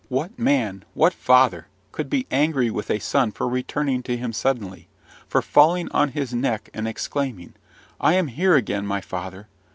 What man, what father, could be angry with a son for returning to him suddenly, for falling on his neck, and exclaiming, "I am here again, my father!